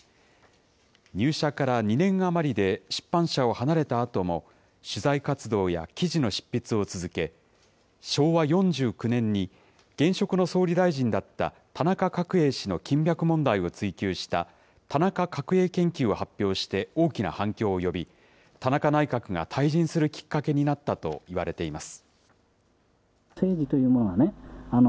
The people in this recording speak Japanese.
入社から２年余りで出版社を離れたあとも、取材活動や記事の執筆を続け、昭和４９年に、現職の総理大臣だった田中角栄氏の金脈問題を追及した田中角栄研究を発表して大きな反響を呼び、田中内閣が退陣するきっかけになったといわれています。